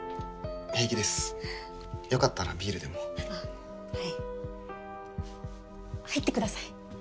平気ですよかったらビールでもあっはい入ってください